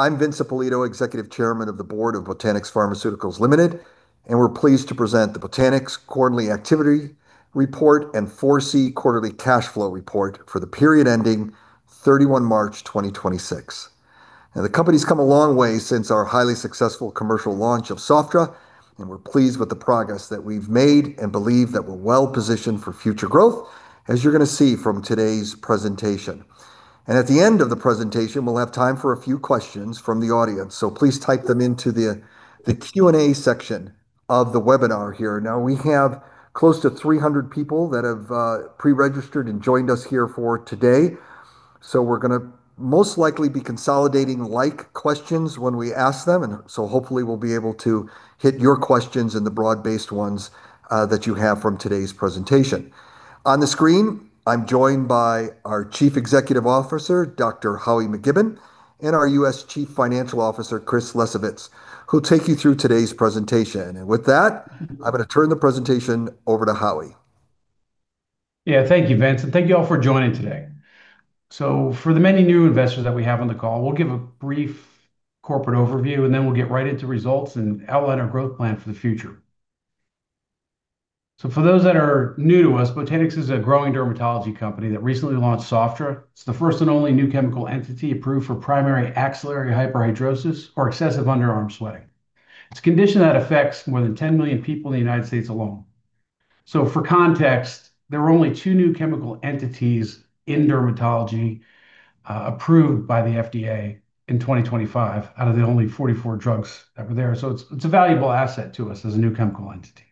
I'm Vince Ippolito, Executive Chairman of the Board of Botanix Pharmaceuticals Limited. We're pleased to present the Botanix quarterly activity report and 4C quarterly cash flow report for the period ending 31 March 2026. The company's come a long way since our highly successful commercial launch of Sofdra. We're pleased with the progress that we've made and believe that we're well-positioned for future growth, as you're gonna see from today's presentation. At the end of the presentation, we'll have time for a few questions from the audience, so please type them into the Q&A section of the webinar here. We have close to 300 people that have pre-registered and joined us here for today. We're gonna most likely be consolidating like questions when we ask them, hopefully we'll be able to hit your questions and the broad-based ones that you have from today's presentation. On the screen, I'm joined by our Chief Executive Officer, Dr. Howie McKibbon, and our U.S. Chief Financial Officer, Chris Lesovitz, who'll take you through today's presentation. With that, I'm gonna turn the presentation over to Howie. Thank you, Vince, and thank you all for joining today. For the many new investors that we have on the call, we'll give a brief corporate overview, and then we'll get right into results and outline our growth plan for the future. For those that are new to us, Botanix is a growing dermatology company that recently launched Sofdra. It's the first and only new chemical entity approved for primary axillary hyperhidrosis or excessive underarm sweating. It's a condition that affects more than 10 million people in United States alone. For context, there were only two new chemical entities in dermatology approved by the FDA in 2025 out of the only 44 drugs that were there. It's a valuable asset to us as a new chemical entity.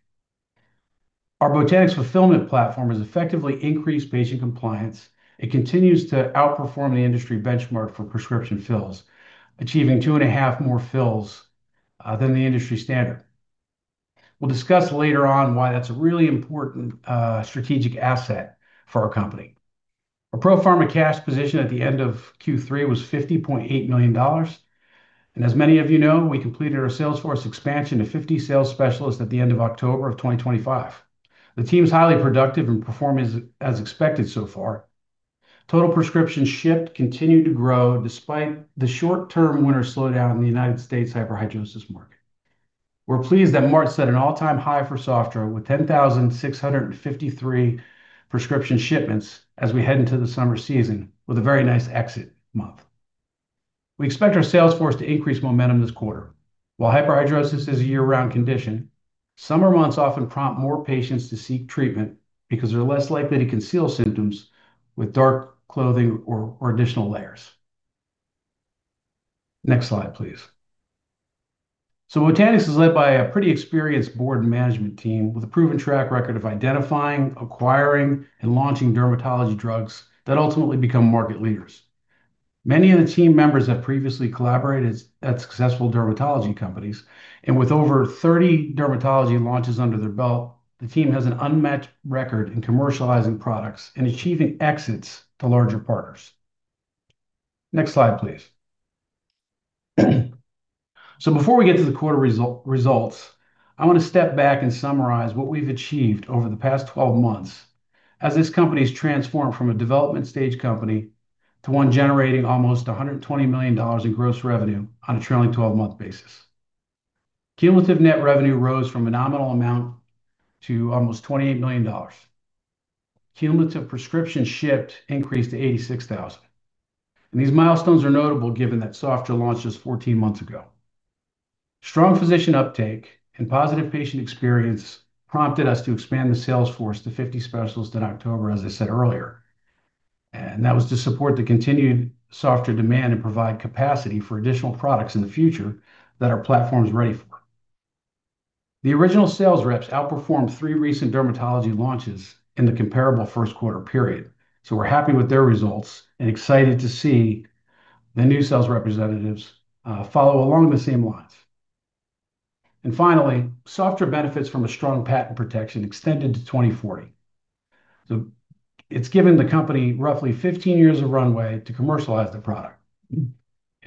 Our Botanix fulfillment platform has effectively increased patient compliance. It continues to outperform the industry benchmark for prescription fills, achieving 2.5 more fills than the industry standard. We'll discuss later on why that's a really important strategic asset for our company. Our pro forma cash position at the end of Q3 was 50.8 million dollars. As many of you know, we completed our sales force expansion to 50 sales specialists at the end of October 2025. The team is highly productive and performing as expected so far. Total prescriptions shipped continued to grow despite the short-term winter slowdown in the United States hyperhidrosis market. We're pleased that March set an all-time high for Sofdra with 10,653 prescription shipments as we head into the summer season with a very nice exit month. We expect our sales force to increase momentum this quarter. While hyperhidrosis is a year-round condition, summer months often prompt more patients to seek treatment because they're less likely to conceal symptoms with dark clothing or additional layers. Next slide, please. So, Botanix is led by a pretty experienced board and management team with a proven track record of identifying, acquiring, and launching dermatology drugs that ultimately become market leaders. Many of the team members have previously collaborated at successful dermatology companies. With over 30 dermatology launches under their belt, the team has an unmatched record in commercializing products and achieving exits to larger partners. Next slide, please. Before we get to the quarter results, I wanna step back and summarize what we've achieved over the past 12 months as this company's transformed from a development stage company to one generating almost 120 million dollars in gross revenue on a trailing 12-month basis. Cumulative net revenue rose from a nominal amount to almost 28 million dollars. Cumulative prescriptions shipped increased to 86,000. These milestones are notable given that Sofdra launched just 14 months ago. Strong physician uptake and positive patient experience prompted us to expand the sales force to 50 specialists in October, as I said earlier. That was to support the continued Sofdra demand and provide capacity for additional products in the future that our platform's ready for. The original sales reps outperformed three recent dermatology launches in the comparable first quarter period. We're happy with their results and excited to see the new sales representatives follow along the same lines. Finally, Sofdra benefits from a strong patent protection extended to 2040. It's given the company roughly 15 years of runway to commercialize the product.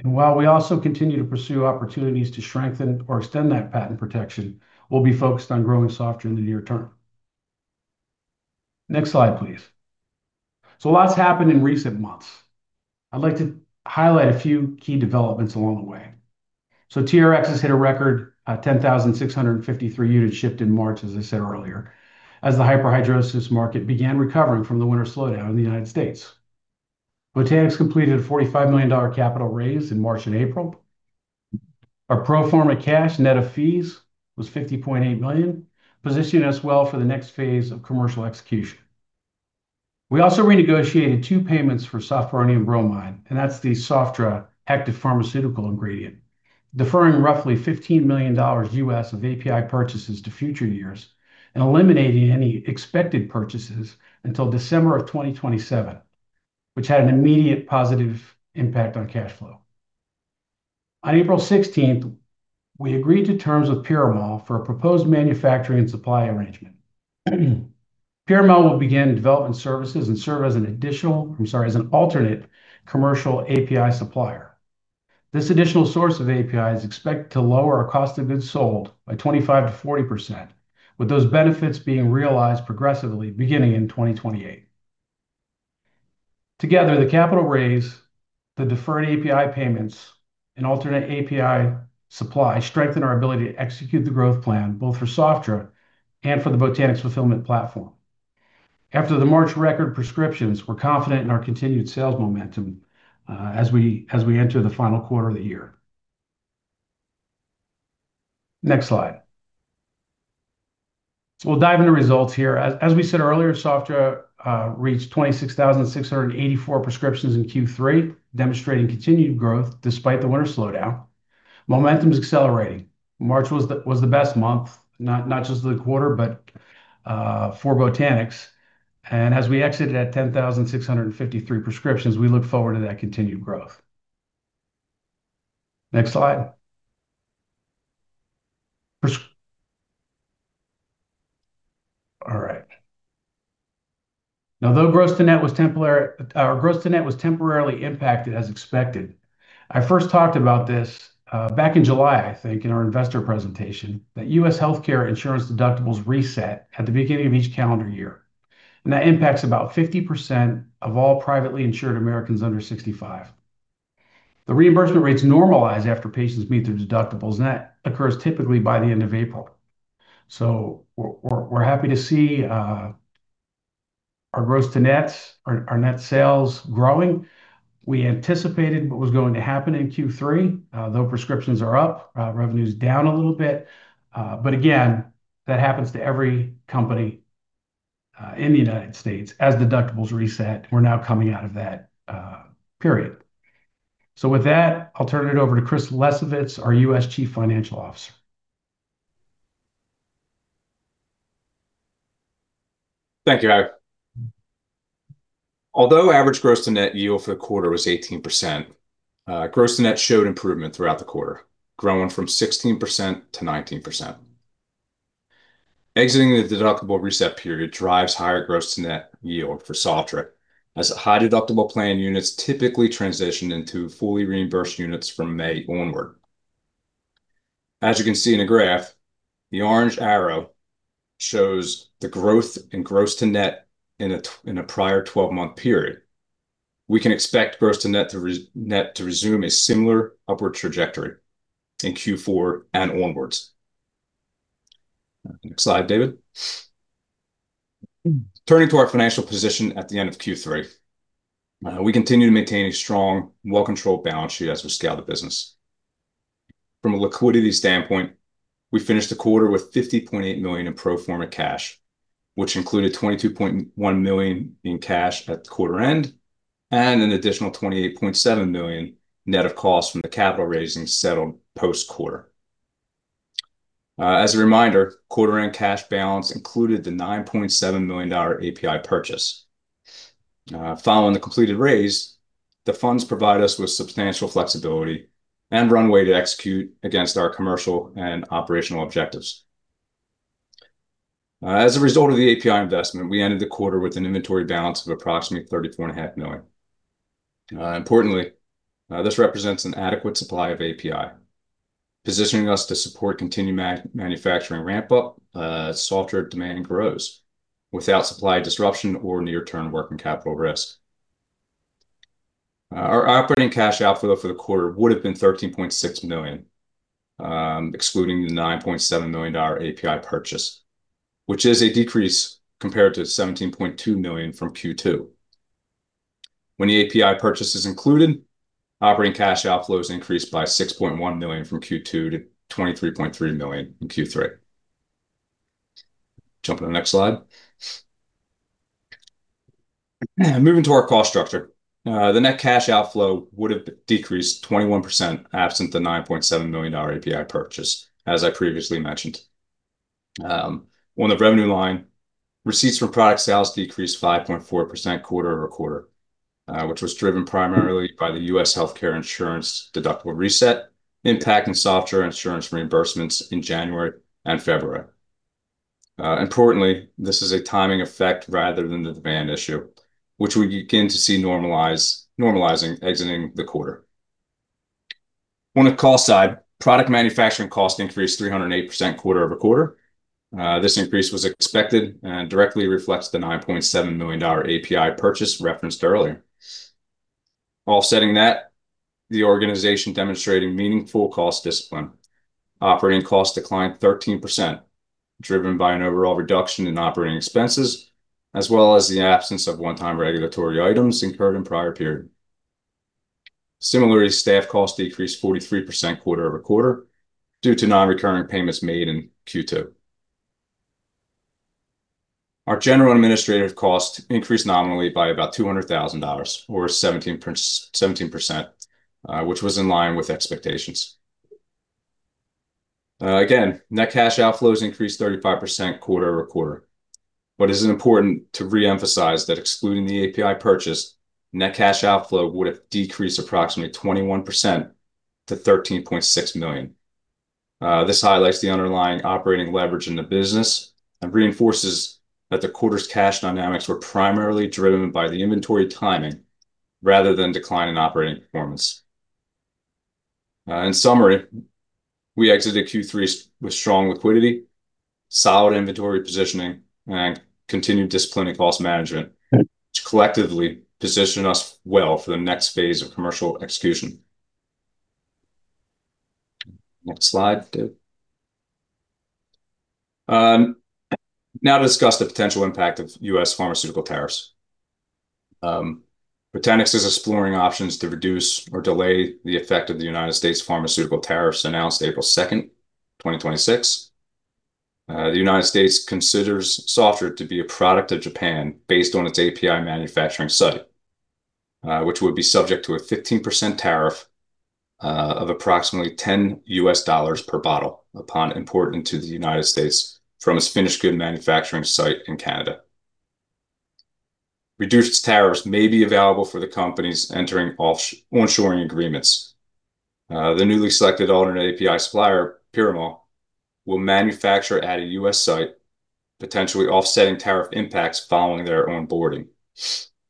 While we also continue to pursue opportunities to strengthen or extend that patent protection, we'll be focused on growing Sofdra in the near term. Next slide, please. A lot's happened in recent months. I'd like to highlight a few key developments along the way. TRx has hit a record 10,653 units shipped in March, as I said earlier, as the hyperhidrosis market began recovering from the winter slowdown in United States. Botanix completed an 45 million dollar capital raise in March and April. Our pro forma cash net of fees was 50.8 million, positioning us well for the next phase of commercial execution. We also renegotiated two payments for sofpironium bromide, and that's the Sofdra active pharmaceutical ingredient, deferring roughly $15 million of API purchases to future years and eliminating any expected purchases until December of 2027, which had an immediate positive impact on cash flow. On April 16th, we agreed to terms with Piramal for a proposed manufacturing and supply arrangement. Piramal will begin development services and serve as an alternate commercial API supplier. This additional source of API is expected to lower our cost of goods sold by 25%-40%, with those benefits being realized progressively beginning in 2028. Together, the capital raise, the deferred API payments, and alternate API supply strengthen our ability to execute the growth plan, both for Sofdra and for the Botanix fulfillment platform. After the March record prescriptions, we're confident in our continued sales momentum, as we enter the final quarter of the year. Next slide. We'll dive into results here. As we said earlier, Sofdra reached 26,684 prescriptions in Q3, demonstrating continued growth despite the winter slowdown. Momentum's accelerating. March was the best month, not just the quarter, but for Botanix. As we exited at 10,653 prescriptions, we look forward to that continued growth. Next slide. All right. Now, though gross to net was temporarily impacted as expected, I first talked about this back in July, I think, in our investor presentation, that U.S. healthcare insurance deductibles reset at the beginning of each calendar year. That impacts about 50% of all privately insured Americans under 65. The reimbursement rates normalize after patients meet their deductibles, that occurs typically by the end of April. We're happy to see our gross to nets, our net sales growing. We anticipated what was going to happen in Q3. Though prescriptions are up, revenue's down a little bit. But again, that happens to every company in the United States as deductibles reset. We're now coming out of that period. With that, I'll turn it over to Chris Lesovitz, our U.S. Chief Financial Officer. Thank you, [Howie]. Although average gross to net yield for the quarter was 18%, gross to net showed improvement throughout the quarter, growing from 16%-19%. Exiting the deductible reset period drives higher gross to net yield for Sofdra, as high deductible plan units typically transition into fully reimbursed units from May onward. As you can see in the graph, the orange arrow shows the growth in gross to net in a prior 12-month period. We can expect gross to net to resume a similar upward trajectory in Q4 and onwards. Next slide, David. Turning to our financial position at the end of Q3, we continue to maintain a strong, well-controlled balance sheet as we scale the business. From a liquidity standpoint, we finished the quarter with 50.8 million in pro forma cash, which included 22.1 million in cash at the quarter end, and an additional 28.7 million net of costs from the capital raising settled post-quarter. As a reminder, quarter-end cash balance included the 9.7 million dollar API purchase. Following the completed raise, the funds provide us with substantial flexibility and runway to execute against our commercial and operational objectives. As a result of the API investment, we ended the quarter with an inventory balance of approximately thirty-four and a half million. Importantly, this represents an adequate supply of API, positioning us to support continued manufacturing ramp up, as Sofdra demand grows without supply disruption or near-term working capital risk. Our operating cash outflow for the quarter would have been 13.6 million, excluding the 9.7 million dollar API purchase, which is a decrease compared to 17.2 million from Q2. When the API purchase is included, operating cash outflows increased by 6.1 million from Q2 to 23.3 million in Q3. Jump to the next slide. Moving to our cost structure, the net cash outflow would have decreased 21% absent the 9.7 million dollar API purchase, as I previously mentioned. On the revenue line, receipts from product sales decreased 5.4% quarter-over-quarter, which was driven primarily by the U.S. healthcare insurance deductible reset, impacting Sofdra insurance reimbursements in January and February. Importantly, this is a timing effect rather than a demand issue, which we begin to see normalizing exiting the quarter. On the cost side, product manufacturing cost increased 308% quarter-over-quarter. This increase was expected and directly reflects the 9.7 million dollar API purchase referenced earlier. Offsetting that, the organization demonstrated meaningful cost discipline. Operating costs declined 13%, driven by an overall reduction in operating expenses, as well as the absence of one-time regulatory items incurred in prior period. Similarly, staff costs decreased 43% quarter-over-quarter due to non-recurring payments made in Q2. Our general administrative cost increased nominally by about 200,000 dollars, or 17%, which was in line with expectations. Again, net cash outflows increased 35% quarter-over-quarter. It is important to reemphasize that excluding the API purchase, net cash outflow would have decreased approximately 21% to 13.6 million. This highlights the underlying operating leverage in the business and reinforces that the quarter's cash dynamics were primarily driven by the inventory timing rather than decline in operating performance. In summary, we exited Q3 with strong liquidity, solid inventory positioning, and continued disciplinary cost management. Which collectively position us well for the next phase of commercial execution. Next slide, Dave. Now to discuss the potential impact of U.S. pharmaceutical tariffs. Botanix is exploring options to reduce or delay the effect of the United States pharmaceutical tariffs announced April 2nd, 2026. The United States considers Sofdra to be a product of Japan based on its API manufacturing site, which would be subject to a 15% tariff of approximately $10 per bottle upon import into the United States from its finished good manufacturing site in Canada. Reduced tariffs may be available for the companies entering onshoring agreements. The newly selected alternate API supplier, Piramal, will manufacture at a U.S. site, potentially offsetting tariff impacts following their onboarding.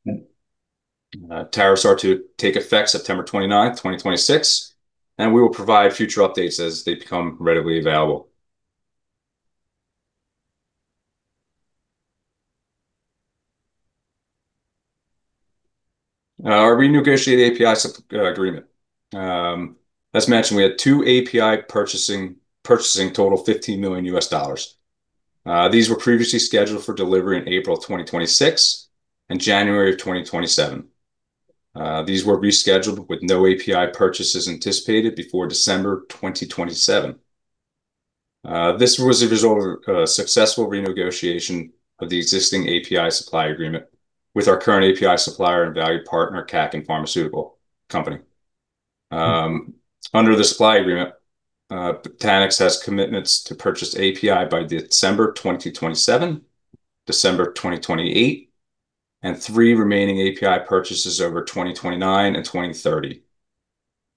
Mm. Tariffs are to take effect September 29, 2026, and we will provide future updates as they become readily available. Our renegotiated API agreement. As mentioned, we had two API purchasing total $15 million. These were previously scheduled for delivery in April 2026 and January 2027. These were rescheduled with no API purchases anticipated before December 2027. This was a result of a successful renegotiation of the existing API supply agreement with our current API supplier and valued partner, Kaken Pharmaceutical Co. Under the supply agreement, Botanix has commitments to purchase API by December 2027, December 2028, and three remaining API purchases over 2029 and 2030.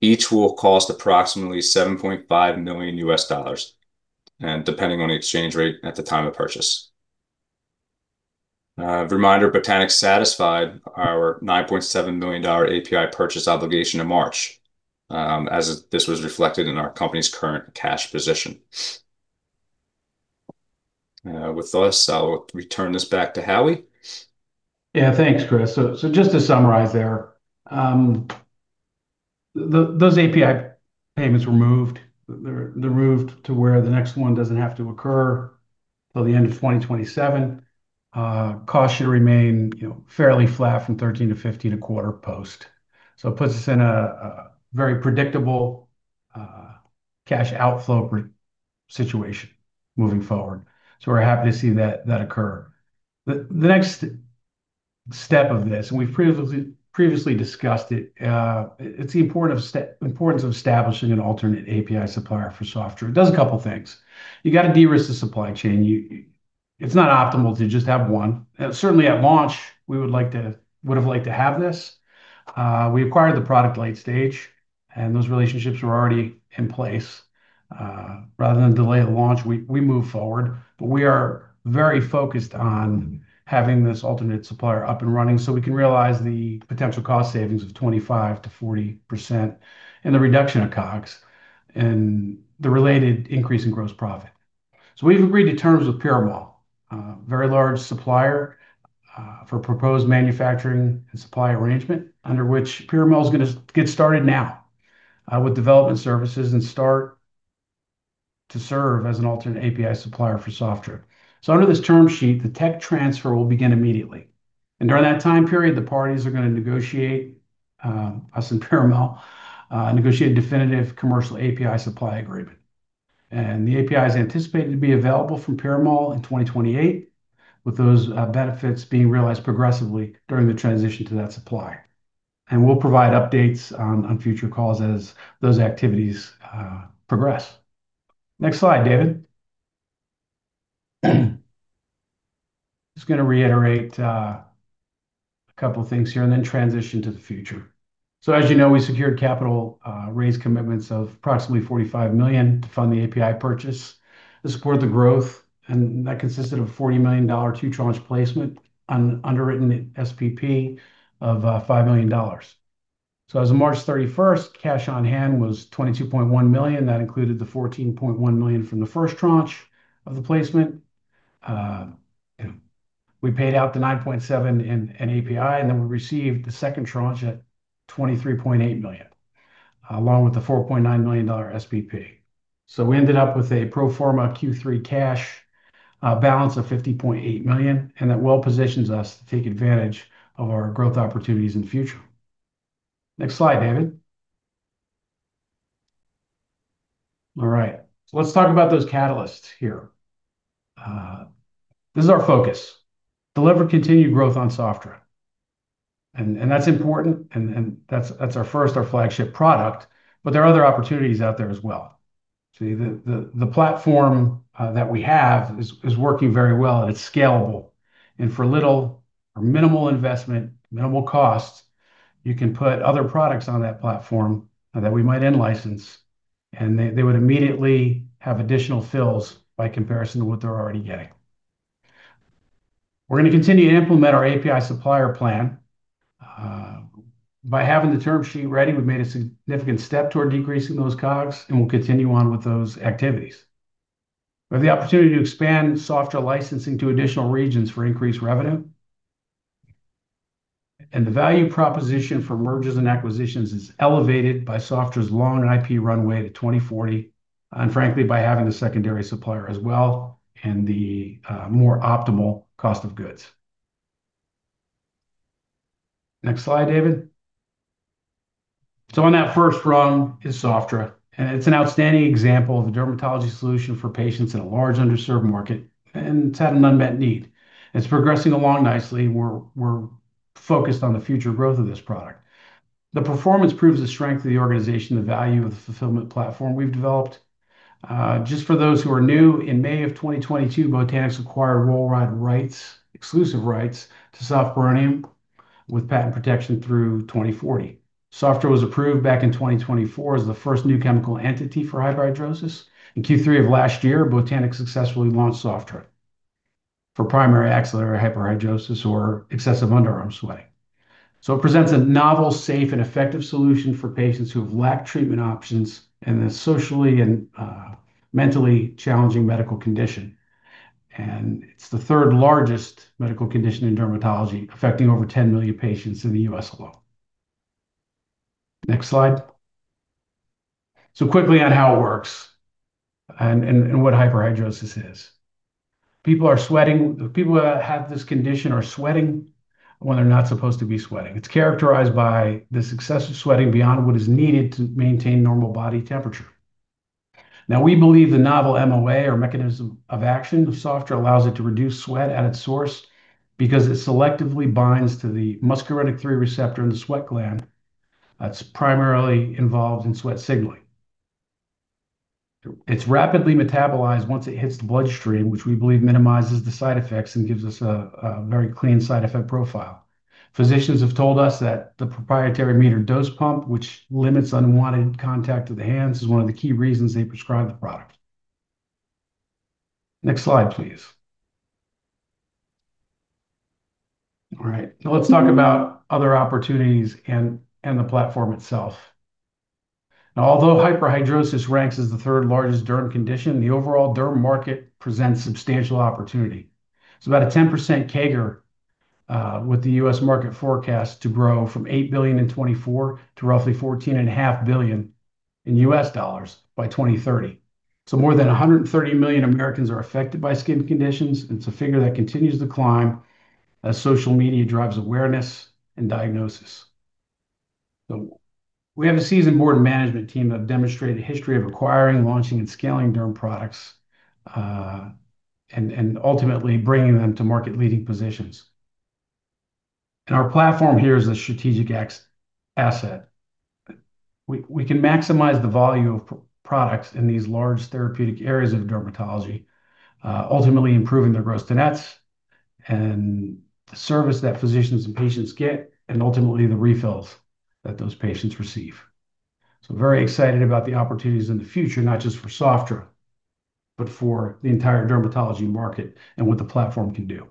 Each will cost approximately $7.5 million, depending on the exchange rate at the time of purchase. Reminder, Botanix satisfied our 9.7 million dollar API purchase obligation in March, as this was reflected in our company's current cash position. With this, I'll return this back to Howie. Thanks, Chris Lesovitz. Just to summarize there, those API payments were moved. They're moved to where the next one doesn't have to occur till the end of 2027. Cost should remain, you know, fairly flat from 13 to 15 a quarter post. It puts us in a very predictable cash outflow situation moving forward. We're happy to see that occur. The next step of this, we've previously discussed it's the importance of establishing an alternate API supplier for Sofdra. It does a couple things. You gotta de-risk the supply chain. It's not optimal to just have one. Certainly at launch, we would have liked to have this. We acquired the product late stage, those relationships were already in place. Rather than delay the launch, we moved forward. We are very focused on having this alternate supplier up and running so we can realize the potential cost savings of 25%-40% and the reduction of COGS and the related increase in gross profit. We've agreed to terms with Piramal, a very large supplier, for proposed manufacturing and supply arrangement under which Piramal is going to get started now with development services and start to serve as an alternate API supplier for Sofdra. Under this term sheet, the tech transfer will begin immediately. During that time period, the parties are going to negotiate, us and Piramal, a definitive commercial API supply agreement. The API is anticipated to be available from Piramal in 2028, with those benefits being realized progressively during the transition to that supply. We'll provide updates on future calls as those activities progress. Next slide, David. Gonna reiterate a couple things here and then transition to the future. As you know, we secured capital, raised commitments of approximately 45 million to fund the API purchase to support the growth, and that consisted of a 40 million dollar two tranche placement un-underwritten SPP of 5 million dollars. As of March 31, cash on hand was 22.1 million. Included the 14.1 million from the first tranche of the placement. We paid out the 9.7 million in API, and then we received the second tranche at 23.8 million, along with the 4.9 million dollar SPP. We ended up with a pro forma Q3 cash balance of 50.8 million, and that well positions us to take advantage of our growth opportunities in the future. Next slide, David. All right. Let's talk about those catalysts here. This is our focus. Deliver continued growth on Sofdra. That's important, and that's our first, our flagship product, but there are other opportunities out there as well. The platform that we have is working very well, and it's scalable. For little or minimal investment, minimal cost, you can put other products on that platform that we might then license, and they would immediately have additional fills by comparison to what they're already getting. We're gonna continue to implement our API supplier plan. By having the term sheet ready, we've made a significant step toward decreasing those COGS, and we'll continue on with those activities. We have the opportunity to expand Sofdra licensing to additional regions for increased revenue. The value proposition for mergers and acquisitions is elevated by Sofdra's long IP runway to 2040, and frankly, by having the secondary supplier as well and the more optimal cost of goods. Next slide, David. On that first rung is Sofdra, and it's an outstanding example of the dermatology solution for patients in a large underserved market, and it's had an unmet need. It's progressing along nicely. We're focused on the future growth of this product. The performance proves the strength of the organization, the value of the Fulfillment Platform we've developed. Just for those who are new, in May of 2022, Botanix acquired worldwide rights, exclusive rights, to sofpironium with patent protection through 2040. Sofdra was approved back in 2024 as the first new chemical entity for hyperhidrosis. In Q3 of last year, Botanix successfully launched Sofdra for primary axillary hyperhidrosis or excessive underarm sweating. It presents a novel, safe, and effective solution for patients who have lacked treatment options in a socially and mentally challenging medical condition. It's the third largest medical condition in dermatology, affecting over 10 million patients in the U.S. alone. Next slide. Quickly on how it works and what hyperhidrosis is. People that have this condition are sweating when they're not supposed to be sweating. It's characterized by this excessive sweating beyond what is needed to maintain normal body temperature. Now, we believe the novel MOA or mechanism of action of Sofdra allows it to reduce sweat at its source because it selectively binds to the muscarinic M3 receptor in the sweat gland that is primarily involved in sweat signaling. It is rapidly metabolized once it hits the bloodstream, which we believe minimizes the side effects and gives us a very clean side effect profile. Physicians have told us that the proprietary metered dose pump, which limits unwanted contact with the hands, is one of the key reasons they prescribe the product. Next slide, please. All right. Now let's talk about other opportunities and the platform itself. Now, although hyperhidrosis ranks as the third-largest derm condition, the overall derm market presents substantial opportunity. It's about a 10% CAGR with the U.S. market forecast to grow from $8 billion in 2024 to roughly $14.5 billion in U.S. dollars by 2030. More than 130 million Americans are affected by skin conditions. It's a figure that continues to climb as social media drives awareness and diagnosis. We have a seasoned board and management team have demonstrated a history of acquiring, launching, and scaling derm products, and ultimately bringing them to market leading positions. Our platform here is a strategic asset. We can maximize the volume of products in these large therapeutic areas of dermatology, ultimately improving their gross to nets and the service that physicians and patients get, and ultimately the refills that those patients receive. Very excited about the opportunities in the future, not just for Sofdra, but for the entire dermatology market and what the platform can do.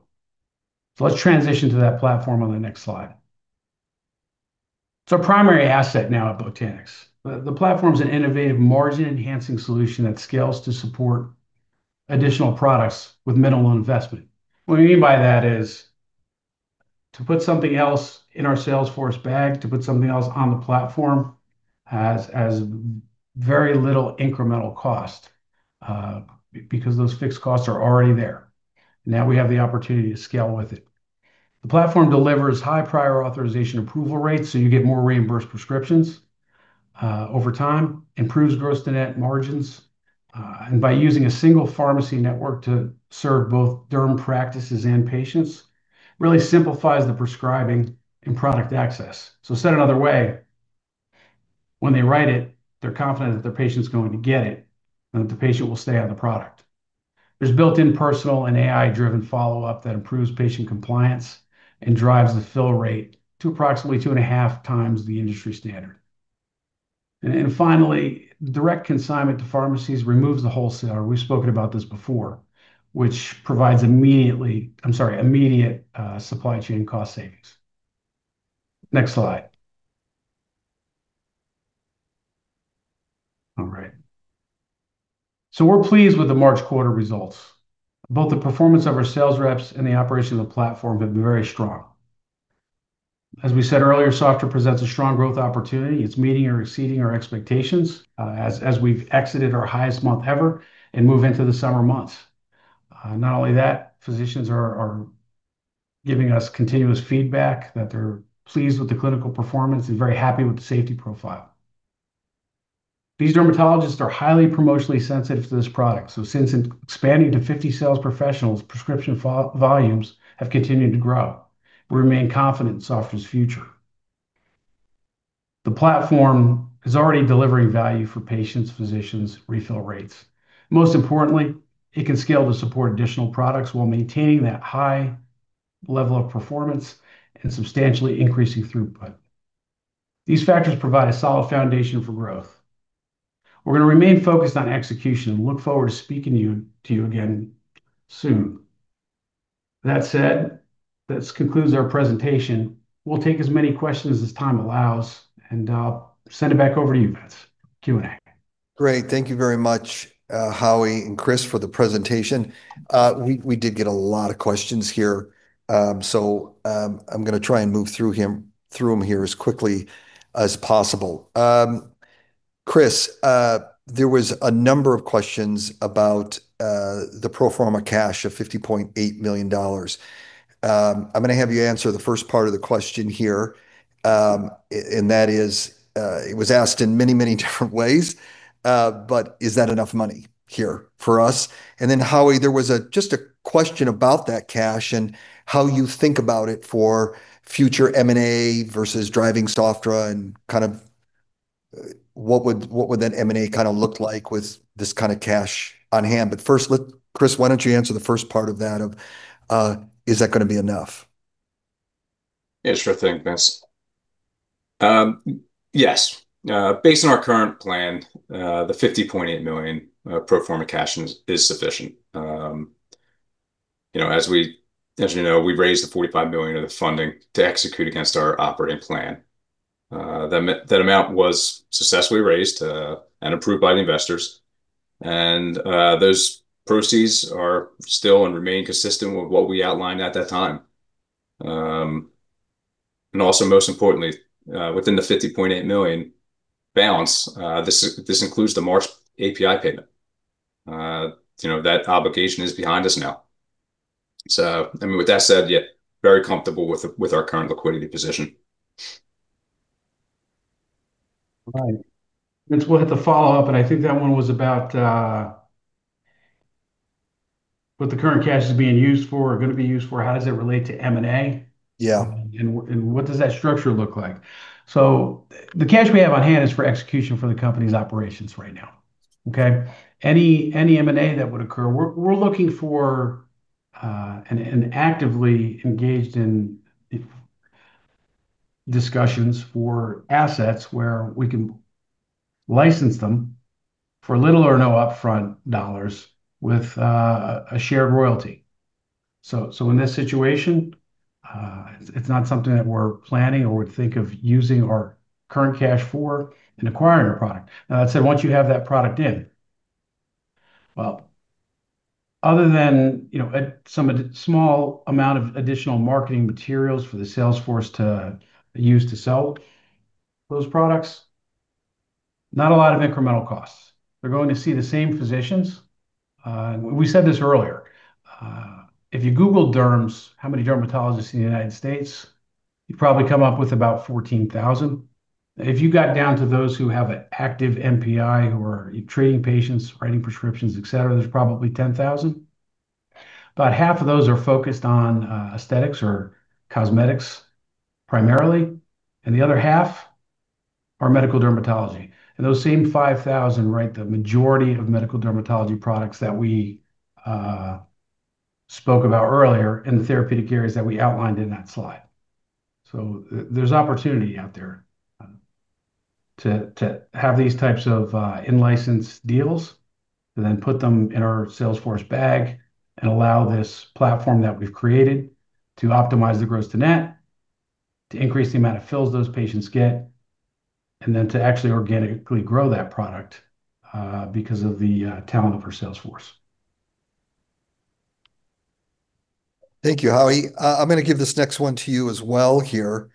Let's transition to that platform on the next slide. It's our primary asset now at Botanix. The platform's an innovative margin-enhancing solution that scales to support additional products with minimal investment. What we mean by that is to put something else in our sales force bag, to put something else on the platform has very little incremental cost because those fixed costs are already there. We have the opportunity to scale with it. The platform delivers high prior authorization approval rates, you get more reimbursed prescriptions over time, improves gross to net margins, by using a single pharmacy network to serve both derm practices and patients really simplifies the prescribing and product access. Said another way, when they write it, they're confident that their patient's going to get it and that the patient will stay on the product. There's built-in personal and AI-driven follow-up that improves patient compliance and drives the fill rate to approximately 2.5x the industry standard. Finally, direct consignment to pharmacies removes the wholesaler, we've spoken about this before, which provides immediate supply chain cost savings. Next slide. All right. We're pleased with the March quarter results. Both the performance of our sales reps and the operation of the platform have been very strong. As we said earlier, Sofdra presents a strong growth opportunity. It's meeting or exceeding our expectations, as we've exited our highest month ever and move into the summer months. Not only that, physicians are giving us continuous feedback that they're pleased with the clinical performance and very happy with the safety profile. These dermatologists are highly promotionally sensitive to this product, since expanding to 50 sales professionals, prescription volumes have continued to grow. We remain confident in Sofdra's future. The platform is already delivering value for patients, physicians, refill rates. Most importantly, it can scale to support additional products while maintaining that high level of performance and substantially increasing throughput. These factors provide a solid foundation for growth. We're going to remain focused on execution and look forward to speaking to you again soon. That said, this concludes our presentation. We'll take as many questions as time allows. I'll send it back over to you, Vince. Q&A. Great. Thank you very much, Howie and Chris, for the presentation. We did get a lot of questions here, I'm gonna try and move through them here as quickly as possible. Chris, there was a number of questions about the pro forma cash of 50.8 million dollars. I'm gonna have you answer the first part of the question here. That is, it was asked in many, many different ways, is that enough money here for us? Howie, there was a question about that cash and how you think about it for future M&A versus driving Sofdra and kind of, what would that M&A kinda look like with this kinda cash on hand? First, let Chris, why don't you answer the first part of that of, is that gonna be enough? Yeah, sure thing, Vince. Yes. Based on our current plan, the 50.8 million pro forma cash is sufficient. You know, as you know, we've raised the 45 million of the funding to execute against our operating plan. That amount was successfully raised and approved by the investors. Those proceeds are still and remain consistent with what we outlined at that time. Most importantly, within the 50.8 million balance, this includes the March API payment. You know, that obligation is behind us now. I mean, with that said, yeah, very comfortable with our current liquidity position. Right. Vince, we'll hit the follow-up, and I think that one was about, what the current cash is being used for or gonna be used for, how does it relate to M&A? Yeah. What does that structure look like? The cash we have on hand is for execution for the company's operations right now, okay? Any M&A that would occur, we're looking for and actively engaged in discussions for assets where we can license them for little or no upfront AUD with a shared royalty. In this situation, it's not something that we're planning or would think of using our current cash for in acquiring a product. Now, that said, once you have that product in, well, other than, you know, at some small amount of additional marketing materials for the sales force to use to sell those products, not a lot of incremental costs. They're going to see the same physicians. We said this earlier, if you Google derms, how many dermatologists in United States, you probably come up with about 14,000. If you got down to those who have an active NPI who are treating patients, writing prescriptions, et cetera, there's probably 10,000. About half of those are focused on aesthetics or cosmetics primarily, and the other half are medical dermatology. Those same 5,000 write the majority of medical dermatology products that we spoke about earlier in the therapeutic areas that we outlined in that slide. There's opportunity out there, to have these types of in-license deals and then put them in our sales force bag and allow this platform that we've created to optimize the gross to net, to increase the amount of fills those patients get, and then to actually organically grow that product, because of the talent of our sales force. Thank you. Howie, I'm gonna give this next one to you as well here.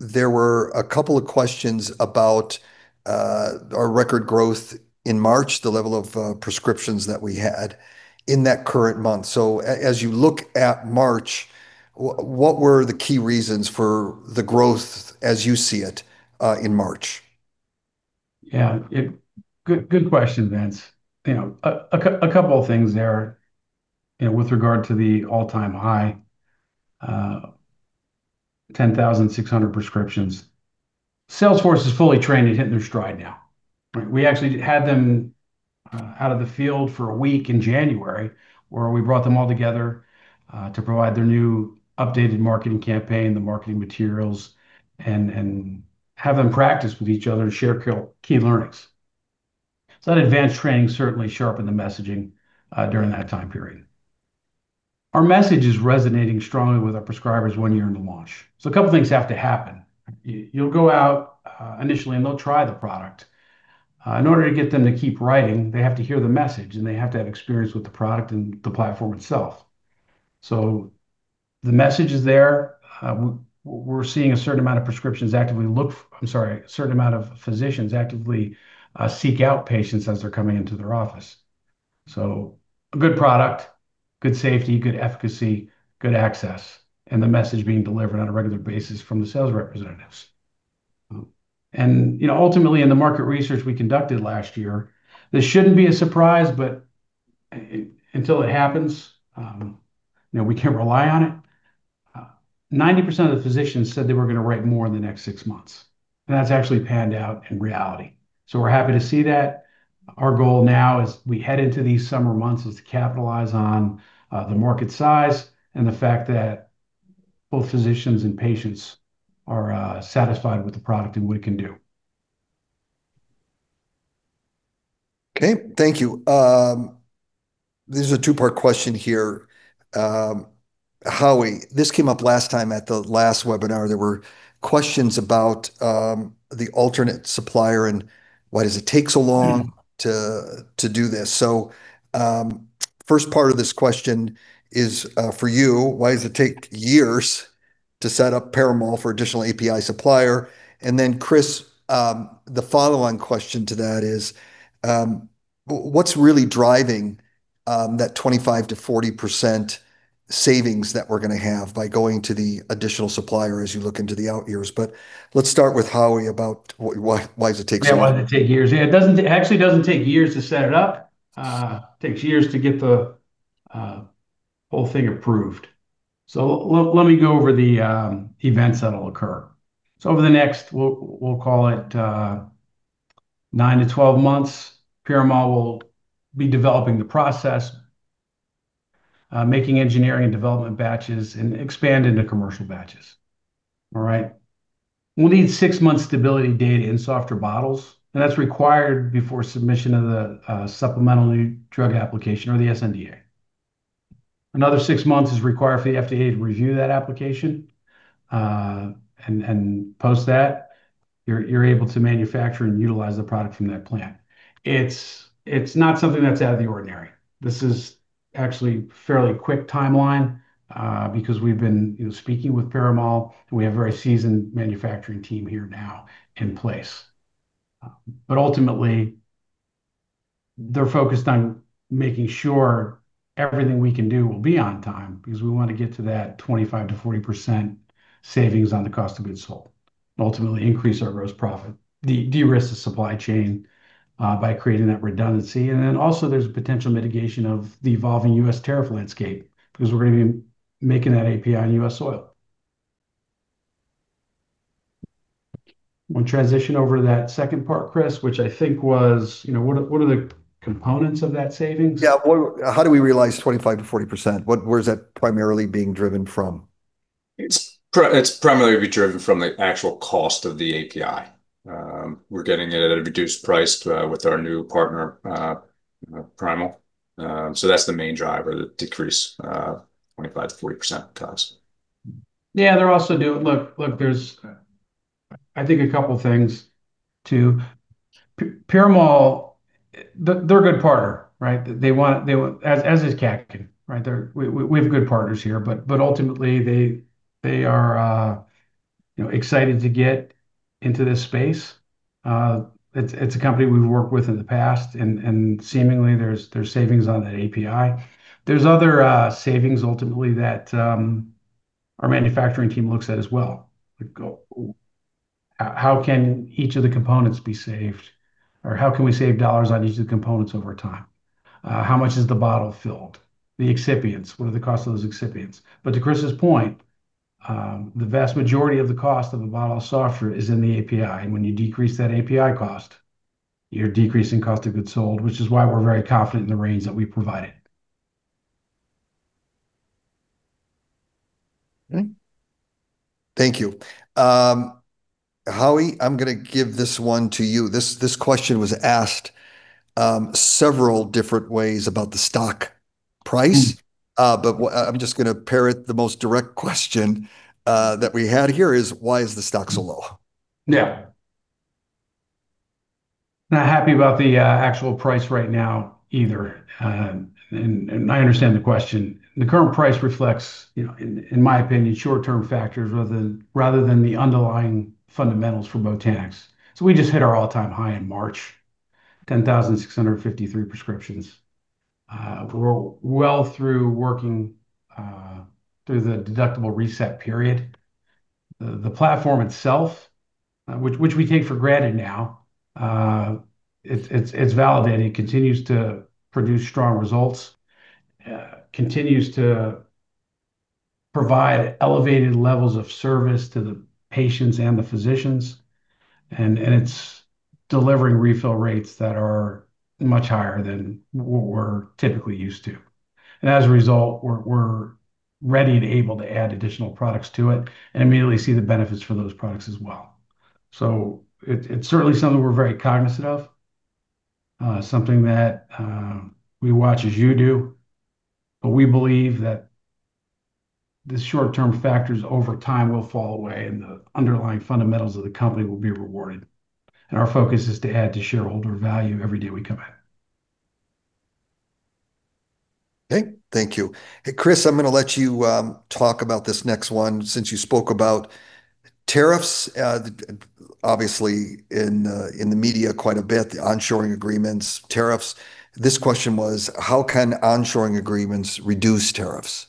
There were a couple of questions about our record growth in March, the level of prescriptions that we had in that current month. As you look at March, what were the key reasons for the growth as you see it in March? Yeah. Good question, Vince. A couple of things there with regard to the all-time high 10,600 prescriptions. Sales force is fully trained and hitting their stride now, right? We actually had them out of the field for a week in January, where we brought them all together to provide their new updated marketing campaign, the marketing materials, and have them practice with each other and share key learnings. That advanced training certainly sharpened the messaging during that time period. Our message is resonating strongly with our prescribers one year into launch. A couple things have to happen. You'll go out, initially, and they'll try the product. In order to get them to keep writing, they have to hear the message, and they have to have experience with the product and the platform itself. The message is there. We're seeing a certain amount of physicians actively seek out patients as they're coming into their office. A good product, good safety, good efficacy, good access, and the message being delivered on a regular basis from the sales representatives. You know, ultimately, in the market research we conducted last year, this shouldn't be a surprise, but until it happens, you know, we can't rely on it. 90% of the physicians said they were gonna write more in the next six months, that's actually panned out in reality. We're happy to see that. Our goal now as we head into this summer months is to capitalize on the market size and the fact that Both physicians and patients are satisfied with the product and what it can do. Okay. Thank you. This is a two-part question here. Howie, this came up last time at the last webinar. There were questions about, the alternate supplier and why does it take so long to do this. First part of this question is for you. Why does it take years to set up Piramal for additional API supplier? Chris, the follow-on question to that is, what's really driving that 25%-40% savings that we're gonna have by going to the additional supplier as you look into the out years? Let's start with Howie about why does it take so long? Yeah. Why does it take years? Yeah, it doesn't, it actually doesn't take years to set it up. takes years to get the whole thing approved. Let me go over the events that'll occur. Over the next, we'll call it nine to 12 months, Piramal will be developing the process, making engineering and development batches, and expand into commercial batches. All right? We'll need six months stability data in Sofdra bottles, and that's required before submission of the supplemental new drug application or the sNDA. Another six months is required for the FDA to review that application. Post that, you're able to manufacture and utilize the product from that plant. It's, it's not something that's out of the ordinary. This is actually fairly quick timeline, because we've been, you know, speaking with Piramal, and we have a very seasoned manufacturing team here now in place. Ultimately, they're focused on making sure everything we can do will be on time because we want to get to that 25%-40% savings on the cost of goods sold, ultimately increase our gross profit, de-derisk the supply chain, by creating that redundancy. Also there's a potential mitigation of the evolving U.S. tariff landscape because we're gonna be making that API on U.S. soil. Wanna transition over to that second part, Chris Lesovitz, which I think was, you know, what are the components of that savings? Yeah. How do we realize 25%-40%? Where is that primarily being driven from? It's primarily driven from the actual cost of the API. We're getting it at a reduced price with our new partner, Piramal. That's the main driver, the decrease, 25%-40% cost. Yeah they're also do, look look there's, I think a couple of things to. Piramal, they're a good partner, right? As is Kaken, right? We have good partners here. Ultimately they are, you know, excited to get into this space. It's a company we've worked with in the past and seemingly there's savings on that API. There's other savings ultimately that our manufacturing team looks at as well. Like, how can each of the components be saved, or how can we save dollars on each of the components over time? How much is the bottle filled? The excipients, what are the cost of those excipients? To Chris's point, the vast majority of the cost of a bottle of Sofdra is in the API, and when you decrease that API cost, you're decreasing cost of goods sold, which is why we're very confident in the range that we provided. Thank you. Howie, I'm gonna give this one to you. This question was asked several different ways about the stock price. Mm. I'm just gonna parrot the most direct question that we had here is, why is the stock so low? Yeah. Not happy about the actual price right now either. I understand the question. The current price reflects, you know, in my opinion, short-term factors rather than the underlying fundamentals for Botanix. We just hit our all-time high in March, 10,653 prescriptions. We're well through working through the deductible reset period. The platform itself, which we take for granted now, it's validating, continues to produce strong results, continues to provide elevated levels of service to the patients and the physicians, and it's delivering refill rates that are much higher than we're typically used to. As a result, we're ready and able to add additional products to it and immediately see the benefits for those products as well. It's certainly something we're very cognizant of, something that, we watch as you do. We believe that the short-term factors over time will fall away, and the underlying fundamentals of the company will be rewarded, and our focus is to add to shareholder value every day we come in. Okay. Thank you. Hey, Chris, I'm gonna let you talk about this next one since you spoke about tariffs. Obviously in the media quite a bit, the onshoring agreements, tariffs. This question was, how can onshoring agreements reduce tariffs?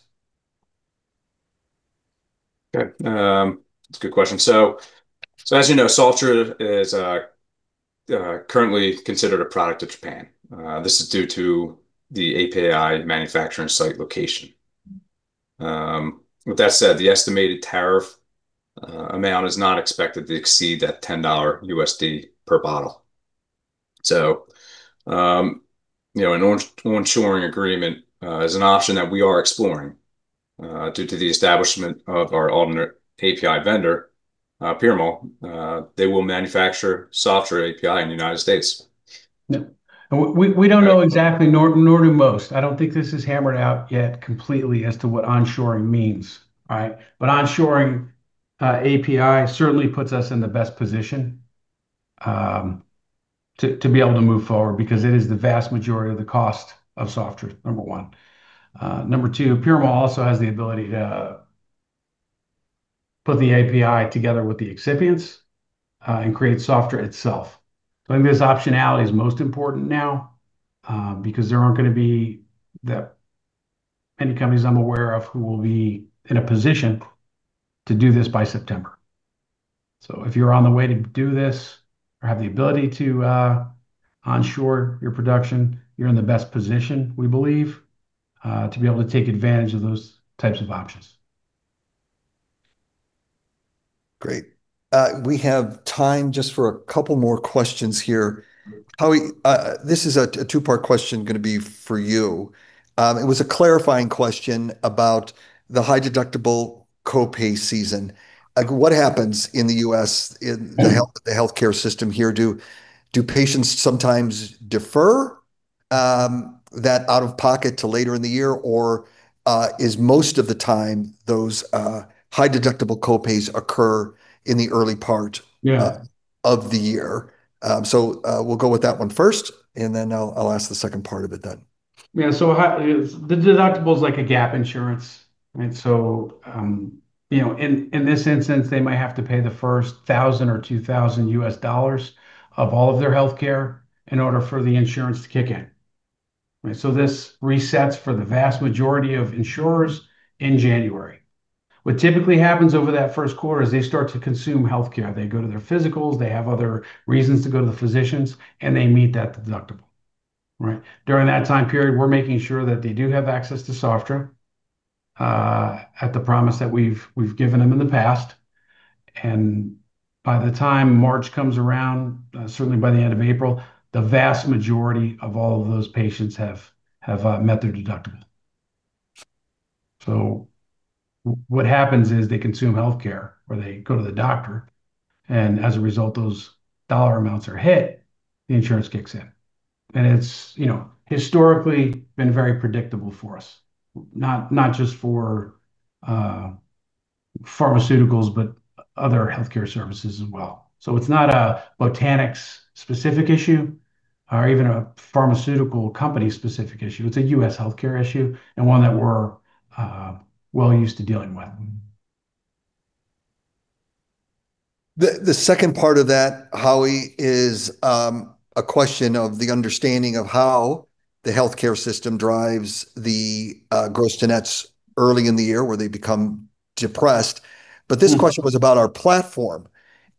Okay. That's a good question. As you know, Sofdra is currently considered a product of Japan. This is due to the API manufacturing site location. With that said, the estimated tariff amount is not expected to exceed $10 per bottle. You know, an onshoring agreement is an option that we are exploring due to the establishment of our alternate API vendor, Piramal. They will manufacture Sofdra API in the United States. Yeah. We don't know exactly nor do most. I don't think this is hammered out yet completely as to what onshoring means, all right? Onshoring API certainly puts us in the best position to be able to move forward because it is the vast majority of the cost of Sofdra, number one. Number two, Piramal also has the ability to put the API together with the excipients and create Sofdra itself. I think this optionality is most important now because there aren't gonna be any companies I'm aware of who will be in a position to do this by September. If you're on the way to do this or have the ability to onshore your production, you're in the best position, we believe, to be able to take advantage of those types of options. Great. We have time just for a couple more questions here. Howie, this is a two-part question gonna be for you. It was a clarifying question about the high deductible co-pay season. Like, what happens in the U.S. in the healthcare system here? Do patients sometimes defer that out-of-pocket to later in the year? Or is most of the time those high deductible co-pays occur in the early part. Yeah... of the year? We'll go with that one first, and then I'll ask the second part of it then. The deductible is like a gap insurance, right? You know, in this instance, they might have to pay the first $1,000 or $2,000 of all of their healthcare in order for the insurance to kick in, right? This resets for the vast majority of insurers in January. What typically happens over that first quarter is they start to consume healthcare. They go to their physicals, they have other reasons to go to the physicians, and they meet that deductible, right? During that time period, we're making sure that they do have access to Sofdra at the promise that we've given them in the past. By the time March comes around, certainly by the end of April, the vast majority of all of those patients have met their deductible. What happens is they consume healthcare or they go to the doctor, and as a result, those dollar amounts are hit, the insurance kicks in. It's, you know, historically been very predictable for us, not just for pharmaceuticals, but other healthcare services as well. It's not a Botanix specific issue or even a pharmaceutical company specific issue. It's a U.S. healthcare issue, and one that we're well used to dealing with. The second part of that, Howie, is, a question of the understanding of how the healthcare system drives the gross to net early in the year where they become depressed. This question was about our platform,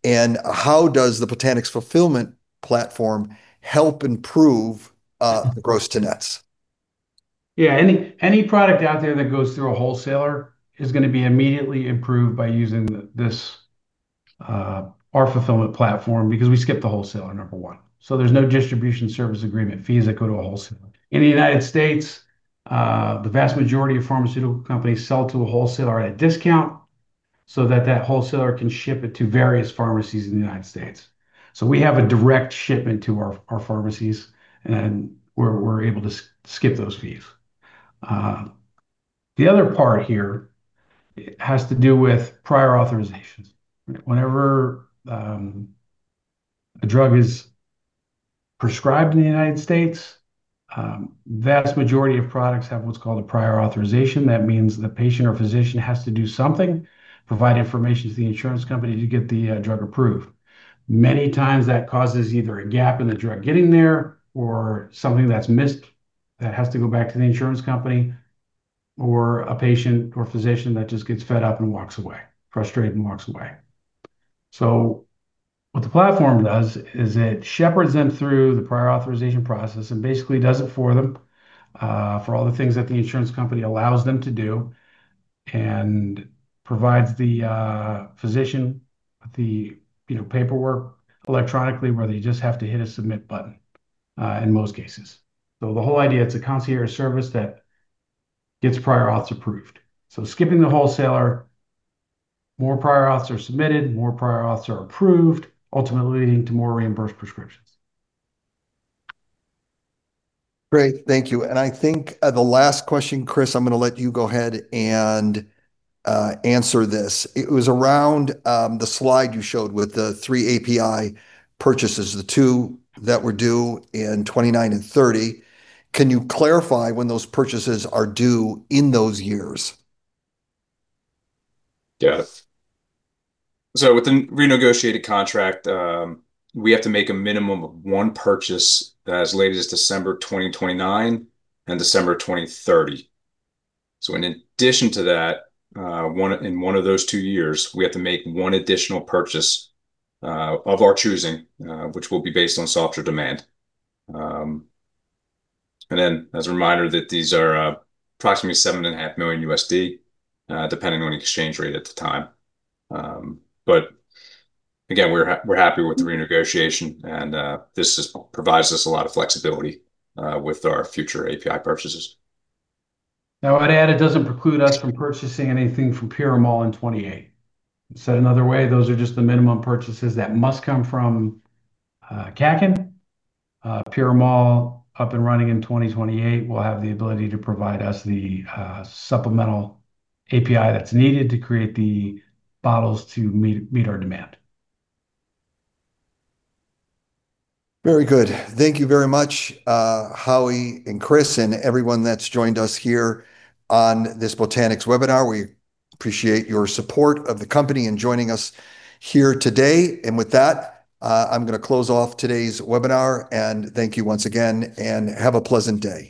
and how does the Botanix fulfillment platform help improve, the gross to net? Yeah. Any product out there that goes through a wholesaler is gonna be immediately improved by using this, our fulfillment platform because we skip the wholesaler, number one. There's no distribution service agreement fees that go to a wholesaler. In the United States, the vast majority of pharmaceutical companies sell to a wholesaler at a discount so that wholesaler can ship it to various pharmacies in the United States. We have a direct shipment to our pharmacies, and we're able to skip those fees. The other part here has to do with prior authorizations. Whenever a drug is prescribed in the United States, vast majority of products have what's called a prior authorization. That means the patient or physician has to do something, provide information to the insurance company to get the drug approved Many times, that causes either a gap in the drug getting there or something that's missed that has to go back to the insurance company, or a patient or physician that just gets fed up and walks away, frustrated and walks away. What the platform does is it shepherds them through the prior authorization process and basically does it for them, for all the things that the insurance company allows them to do, and provides the physician the, you know, paperwork electronically, where they just have to hit a submit button, in most cases. The whole idea, it's a concierge service that gets prior auths approved. Skipping the wholesaler, more prior auths are submitted, more prior auths are approved, ultimately leading to more reimbursed prescriptions. Great. Thank you. I think, the last question, Chris, I'm gonna let you go ahead and answer this. It was around the slide you showed with the three API purchases, the two that were due in 2029 and 2030. Can you clarify when those purchases are due in those years? Yeah. With the renegotiated contract, we have to make a minimum of one purchase as late as December 2029 and December 2030. In addition to that, in one of those two years, we have to make one additional purchase of our choosing, which will be based on Sofdra demand. And then as a reminder that these are approximately seven and a half million USD, depending on the exchange rate at the time. But again, we're happy with the renegotiation, and this provides us a lot of flexibility with our future API purchases. Now, I'd add it doesn't preclude us from purchasing anything from Piramal in 2028. Said another way, those are just the minimum purchases that must come from Kaken. Piramal up and running in 2028 will have the ability to provide us the supplemental API that's needed to create the bottles to meet our demand. Very good. Thank you very much, Howie and Chris, and everyone that's joined us here on this Botanix webinar. We appreciate your support of the company in joining us here today. With that, I'm gonna close off today's webinar, and thank you once again, and have a pleasant day.